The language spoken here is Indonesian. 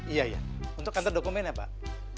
iya iya untuk kantor dokumennya pak